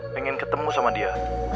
pengen ketemu sama dia